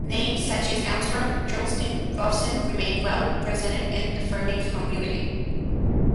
Names such as Armstrong, Charleton and Robson remain well represented in the farming community.